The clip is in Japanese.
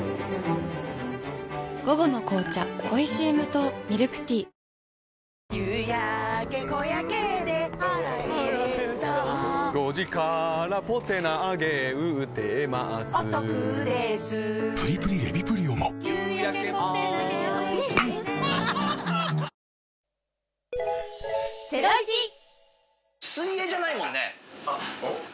午後の紅茶おいしい無糖ミルクティー水泳じゃないもんね？